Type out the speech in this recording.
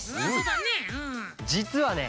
じつはね